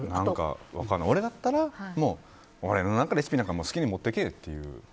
俺だったら、俺のレシピなんか好きに持ってけって。